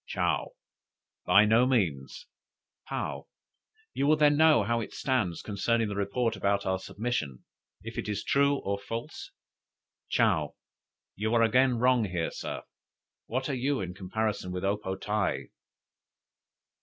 '" "Chow. 'By no means.'" "Paou. 'You will then know how it stands concerning the report about our submission, if it is true or false?'" "Chow. 'You are again wrong here, Sir. What are you in comparison with O po tae?'"